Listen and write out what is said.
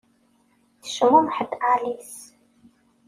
Tecmumeḥ-d Alice.